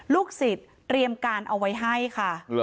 ลูกศิษย์เตรียมการเอาไว้ให้ค่ะ